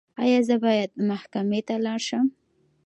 ایا زه باید محکمې ته لاړ شم؟